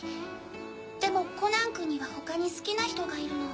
でもコナンくんには他に好きな人がいるの。